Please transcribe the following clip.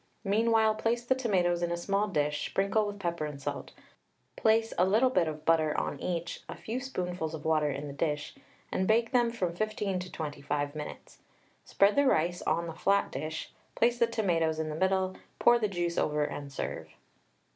Meanwhile place the tomatoes in a small dish, sprinkle with pepper and salt, place a little bit of butter on each, a few spoonfuls of water in the dish, and bake them from 15 to 25 minutes. Spread the rice on a flat dish, place the tomatoes in the middle, pour the juice over, and serve.